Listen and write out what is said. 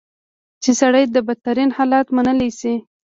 چې سړی بدترین حالت منلی شي.